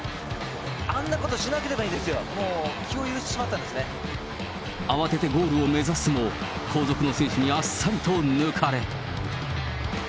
あんなことしなければいいんですよ、もう、慌ててゴールを目指すも、後続の選手にあっさりと抜かれ。